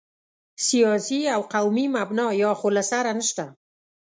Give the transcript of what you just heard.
سیاسي او قومي مبنا یا خو له سره نشته.